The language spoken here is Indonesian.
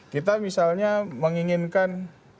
kita misalnya menginginkan